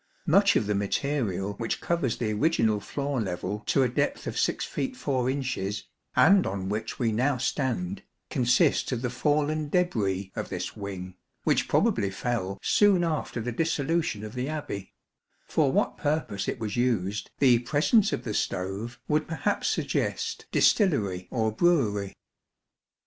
Much of the material which covers the original floor level to a depth of 6 feet 4 inches, and on 47 which we now stand, consists of the fallen debris of this wing, which probably fell soon after the dissolution of the Abbey : for what purpose it was used the presence of the stove would perhaps suggest distillery or brewery.